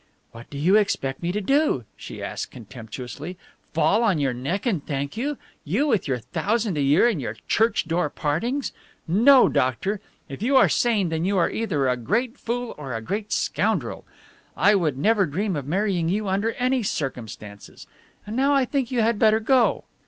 "What do you expect me to do," she asked contemptuously "fall on your neck and thank you, you with your thousand a year and your church door partings? No, doctor, if you are sane then you are either a great fool or a great scoundrel. I would never dream of marrying you under any circumstances. And now I think you had better go."